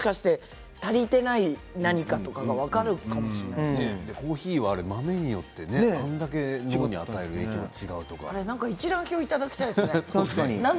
足りていない何かと効果はコーヒーは豆によってあれだけ脳に与える影響が一覧表をもらいたいですね。